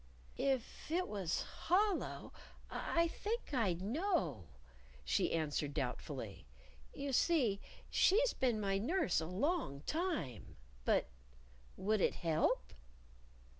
"If it was hollow I think I'd know," she answered doubtfully. "You see she's been my nurse a long time. But would it help?"